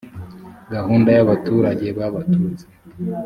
gahunda y’abaturage b’abatutsi